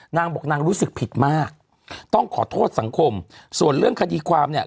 นางบอกนางรู้สึกผิดมากต้องขอโทษสังคมส่วนเรื่องคดีความเนี่ย